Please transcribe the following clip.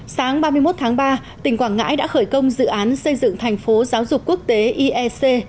sáng ba mươi một tháng ba tỉnh quảng ngãi đã khởi công dự án xây dựng thành phố giáo dục quốc tế iec